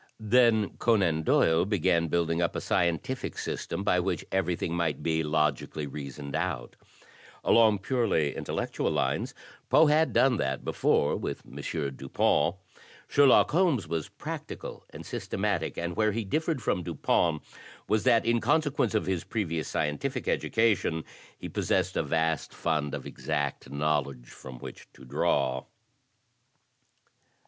Then Conan Doyle began building up a scientil&c system by which everything might be logically reasoned out. Along purely intellectual lines Poe had done that before with M. Dupin. Sherlock Holmes was practical and systematic, and where he differed from Dupin was that in consequence of his previous scientiJ&c education he possessed a vast fimd of exact knowledge from which to draw.